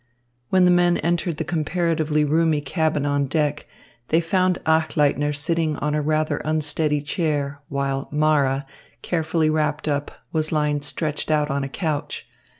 When the men entered the comparatively roomy cabin on deck, they found Achleitner sitting on a rather unsteady chair, while Mara, carefully wrapped up, was lying stretched out on a couch.